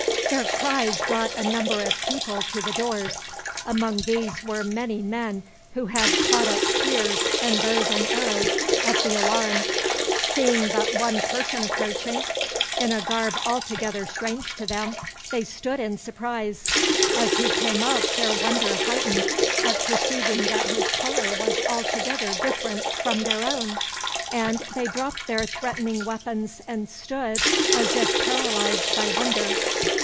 Their cries brought a number of people to the doors. Among these were many men, who had caught up spears, and bows and arrows, at the alarm. Seeing but one person approaching, in a garb altogether strange to them, they stood in surprise. As he came up their wonder heightened, at perceiving that his color was altogether different from their own; and they dropped their threatening weapons, and stood as if paralyzed by wonder.